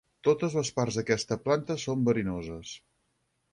Totes les parts d'aquesta planta són verinoses.